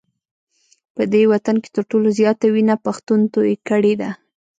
په دې وطن کي تر ټولو زیاته وینه پښتون توی کړې ده